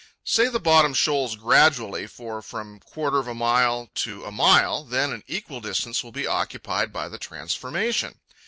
Say the bottom shoals gradually for from quarter of a mile to a mile, then an equal distance will be occupied by the transformation.